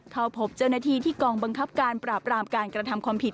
เข้าพบเจ้าหน้าที่ที่กองบังคับการปราบรามการกระทำความผิด